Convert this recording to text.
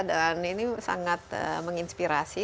dan ini sangat menginspirasi